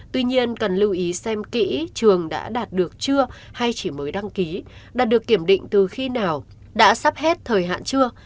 tuy nhiên cần lưu ý xem kỹ trường đã đạt được chưa hay chỉ mới đăng ký đạt được kiểm định từ khi nào đã sắp hết thời hạn chưa